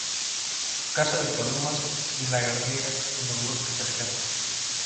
Caza de palomas, y lagartijas, en los bosques cercanos.